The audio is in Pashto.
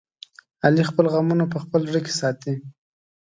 علي خپل غمونه په خپل زړه کې ساتي.